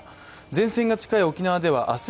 前線が近い沖縄では明日